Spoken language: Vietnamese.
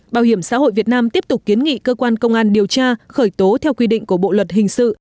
bảo hiểm xã hội việt nam tiếp tục kiến nghị cơ quan công an điều tra khởi tố theo quy định của bộ luật hình sự